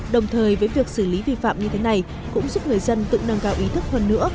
đồng thời với việc xử lý vi phạm như thế này cũng giúp người dân tự nâng cao ý thức hơn nữa